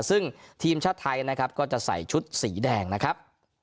ซึ่งทีมชาติไทยนะครับก็จะใส่ชุดสีแดงนะครับ